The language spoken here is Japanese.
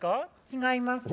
「違います」